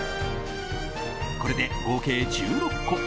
これで合計１６個。